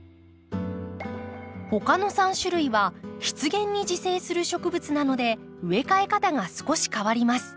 他の３種類は湿原に自生する植物なので植え替え方が少し変わります。